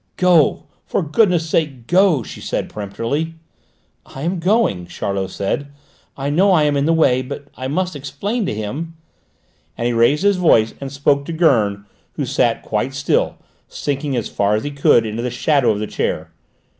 "Go, for goodness' sake, go," she said peremptorily. "I am going," Charlot said; "I know I am in the way; but I must explain to him," and he raised his voice and spoke to Gurn, who sat quite still, sinking as far as he could into the shadow of the chair.